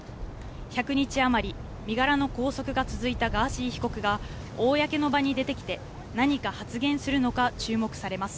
１００日余り、身柄の拘束が続いたガーシー被告が、公の場に出てきて、何か発言するのか注目されます。